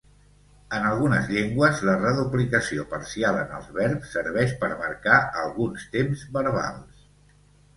En algunes llengües la reduplicació parcial en els verbs serveix per marcar alguns temps verbals.